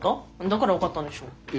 だから分かったんでしょ。